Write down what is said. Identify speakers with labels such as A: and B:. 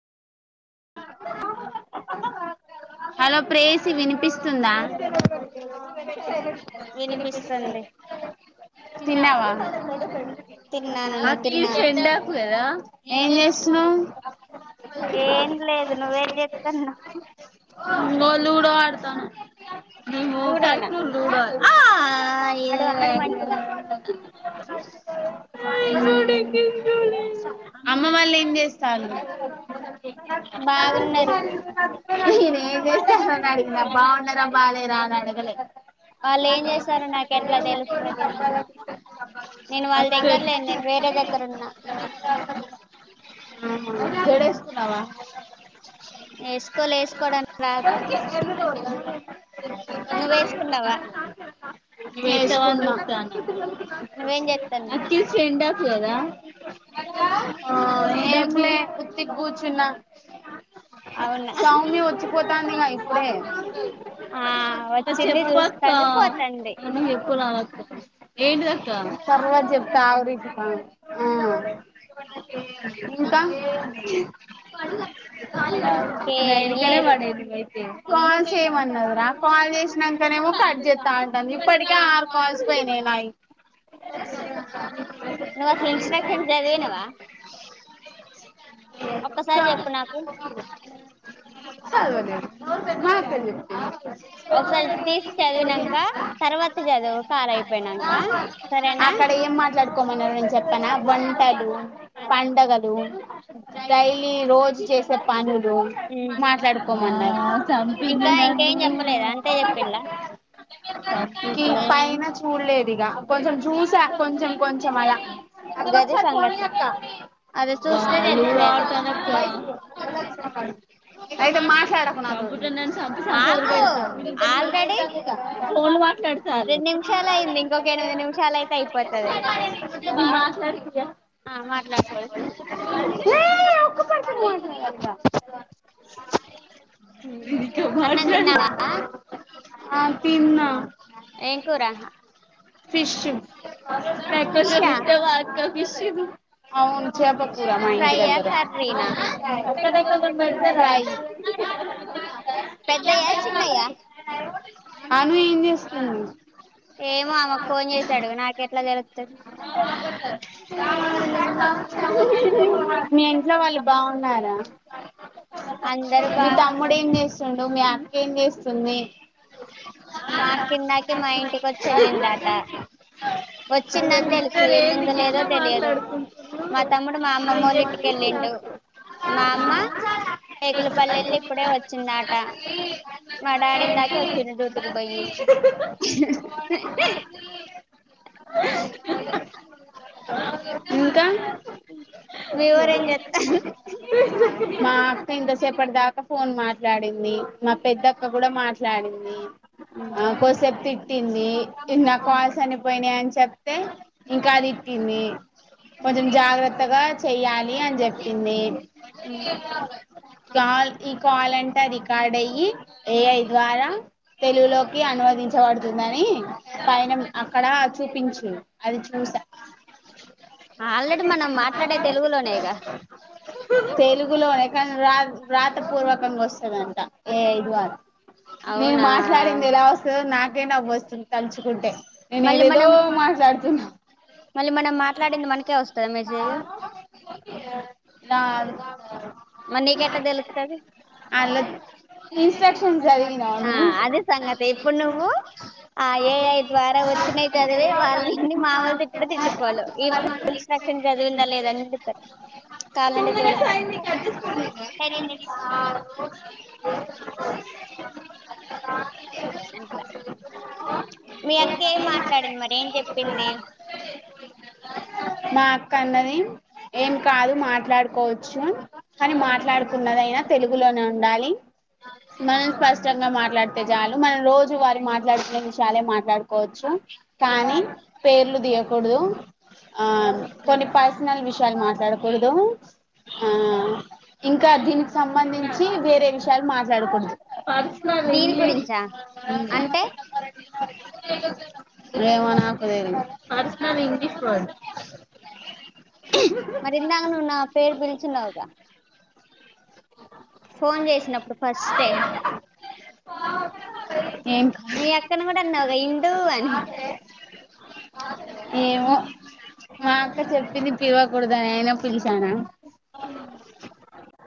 A: Hello ప్రేయసి వినిపిస్తుందా వినిపిస్తుంది తిన్నావ
B: తిన్నాను నువ్వు తిన్నావా
A: తిన్నాను ఏం జేస్తున్నావ్.
B: ఏం లేదు నువ్వేం చెస్తాన్నావు
A: పాడ్తా.
B: లూడోన ఆడు ఆడు మంచిగ.
A: అమ్మ వాళ్ళేం జేస్. తాళ్లు.
B: బాగున్నారు
A: నేనేమ్ జేస్తరనడిగినా బాగున్నరా బాలేరా అనడగలె.
B: వాళ్ళు ఏం చేశారో నాకు ఎట్లా తెలుస్తది నేను వాళ్ళ దగ్గర లేను నేను వేరే దగ్గర ఉన్నా
A: [unintelligible] హూమ్
B: వేస్కోలే యేస్కోడానిక్ రాద్.
A: నువ్ అతవని చూత్తనా
B: నువ్వేం చేస్తున్నావ్
A: అతి సేండఆఫ్ కదా ద ఎలే ఉత్తగ కూర్చున్న
B: అవునా
A: సౌమ్య వచ్చిపోతాంది గా ఇప్పుడే
B: ఆ వచ్చింది
A: చెప్పక్క
B: చూస్తుంది పోతుంది
A: మ ఎక్కువ వక్క ఏంటి అక్క తరగా చెప్తా ఆరి ఇంకా పడు
B: ఇంకేం
A: నేనుకనే
B: లేదు
A: పడేది అయితే కాల్స్ ఏయమన్నది రా కాల్ చేసినాకనేమో కట్ చేస్తా ఉంటుంది ఇప్పటికే ఆరు కాల్స్ పోయినాయినాయి
B: నువ్వు అసలు ఇన్స్ట్రక్షన్స్ అక్క
A: చ చాలువన్ తే చెప్
B: ఒకసారి తీసి చదివినక తర్వాత చదువు కారు అయిపోయినాక సరేనా
A: అక్కడ ఏం మాట్లాడుకోమన్నారు నేను చెప్పానా వంటలు పండగలు డైలీ రోజు చేసే అ మాట్లాడుకోమని సంపింది
B: ఇంకా
A: నన్ను
B: ఇంకేం చెప్పలేదా అంతే చెప్పింలా
A: పైనా చూలేదు ఇగ కొంచ చూసా కొ కొ అలా
B: గది సంగతి అది చూస్తే తెలిసేది
A: అయితే మాట్లాడకు ఇ నను సంత సంపదకి
B: ఆగు
A: వెళ్తాను
B: ఆల్రెడీ
A: ఇద్ద ఫోన్లు మాట్లాడతారు
B: ఎది నిమిషాలయితే అయిపోతుంది
A: నేను మాట్లాడిపియ్య
B: మాట్లాడుంది
A: ఫ నికు మార్ష
B: అన్నం తిన్నావా
A: ఆ తిన్న
B: ఏం కూర
A: ఫిష్ ఎకు
B: ఫిషా
A: చరితే వా కపిసి అవునుంచిబా పూరా మహందీరందరు
B: పెద్ద చిన్న
A: అను ఏం చేస్తుంది
B: ఏమో ఆమెకు ఫోన్ చేసాడు నాకెట్లా జరుతుంది
A: ాన్నా
B: అందరు
A: మీ తమ్ముడు
B: బాగున్నారు
A: ఏం చేస్తుండు మీ అక్కేం చేస్తుంది?
B: మా అక్క కిందాకే మా ఇంటికి వచ్చి వెళ్ళిందట వచ్చిందని తెలుసు వెళ్ళిందో లేదో తెలియదు మా తమ్ముడు మా అమ్మమ్మ వో ళ్ళ ఇంటికి వెళ్ళిండు మా అమ్మ కేకులపల్లెల్లి ఇప్పుడే వచ్చిందా ట మా డాడీ ఇందాకే చ్చ టికి బయ
A: ఇంకా
B: మీవర ఏం చెస్తా [unintelligible]
A: మా అక్కా ఇంతసేపటి దాకా ఫోన్ మాట్లాడింది మా పెద్దక్క కూడా మాట్లాడింది ఆ కోసెప్తి తింది నా కాల్స్ అనిపోయినాయ్ చెప్ చెప్తే ఇంకా అ తిట్టింది కొంచెం జాగ్రత్తగా చెయ్యాలి అని చెప్పింది కాల్ ఈ కాల్ అంతా రికార్డ్ అయ్యి ఏఐ ద్వారా తెలుగులోకి అనువదించబడుతుందని పైన అక్కడ చూపించు అది చూసా
B: ఆల్రెడీ మనం మాట్లాడే తెలుగులోనేగా
A: తెలుగులోనే కానీ రా రాత పూర్వకంగా వస్తుందంట ఏ ఇదు వారు నేను
B: అవునా
A: మాట్లాడింది ఎలా వస్తుంది నాకు కే నవ్వు వస్తుంది తలుచుకుంటే నేను
B: మళ్ళీ
A: ఏదేదో
B: మనం
A: మాట్లాడుతున్నా
B: మళ్ళీ మనం మాట్లాడింది మనకే వస్తుందా మీరు
A: ఆ [unintelligible]
B: మరి నీకె ట్టా తెలుతది
A: అలా ఇన్స్ట్రక్షన్స్ చదివినవా
B: మ్మ్
A: నువ్వు
B: అదే సంగతి ఇప్పుడు నువ్వు ఆ ఏఐ ద్వారా వచ్చినవి చదివి వాళ్ళని మామూలు తిటు డు తిట్టుకోలు ఈ మా ఇన్స్ట్రక్షన్ చదివిందా లేదని చెతారు కాల్ అండె చూడు మరి టెన్ మనిట్స్ అట్లా మీ అక్క ఏం మాట్లాడింది మరి ఏం చెప్పింది?
A: మా అక్క అన్నది ఏం కాదు మాట్ పడుకో వచ్చు కానీ మాట్లాడుకున్నదయినా తెలుగులోనే ఉండాలి మనం స్పష్టంగా మాట్లాడితే చాలు మనం రోజు వారి మాట్లాడుకు నే విషాలే మాట్లాడుకోవచ్చు కానీ పేర్లు తీయకూడదు కొన్ని పర్సనల్ విషయ యా లు మాట్లాడకూడదు ఆ ఇంకా దీనికి సంబంధించి వేరే విషయాలు మాట్లాడకూడదు పర్సనల్
B: దీని
A: ఇ
B: గురించా అంటే
A: రేవనాకుద పర్సనల్ ఇంగ్లీష్ వడ్
B: మరి ఇందాక నువ్ నా పేర్ బిల్ చిినవుగా ఫోన్ చేసినప్పుడు ఫస్ట్ే
A: ఏం
B: మీ అక్కన కూడా అన్నా ఇందు అని
A: ఏమో కుడుదా అయినా పులిసానా
B: అ